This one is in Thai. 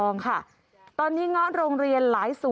น้ำป่าเสดกิ่งไม้แม่ระมาศ